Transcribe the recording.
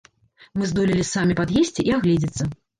Мы здолелі самі пад'есці і агледзецца.